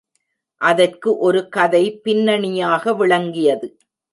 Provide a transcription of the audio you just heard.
அதற்கு ஒரு கதை பின்னணியாக விளங்கியது.